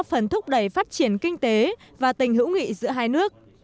phần thúc đẩy phát triển kinh tế và tình hữu nghị giữa hai nước